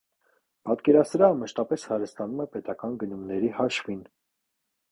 Պատկերասրահը մշտապես հարստանում է պետական գնումների հաշվին։